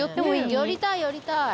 寄りたい寄りたい。